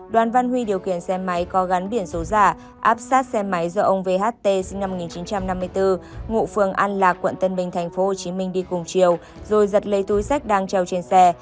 đoàn văn huy điều khiển xe máy có gắn biển số giả áp sát xe máy do ông vht sinh năm một nghìn chín trăm năm mươi bốn ngụ phường an lạc quận tân bình tp hcm đi cùng chiều rồi giật lấy túi sách đang treo trên xe